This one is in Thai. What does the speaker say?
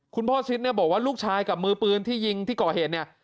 พ่อชิดเนี่ยบอกว่าลูกชายกับมือปืนที่ยิงที่ก่อเหตุเนี่ย